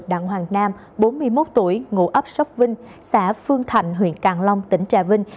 đặng hoàng nam bốn mươi một tuổi ngụ ấp sóc vinh xã phương thạnh huyện càng long tỉnh trà vinh